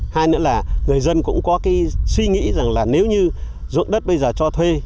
hai nữa là người dân cũng có cái suy nghĩ rằng là nếu như ruộng đất bây giờ cho thuê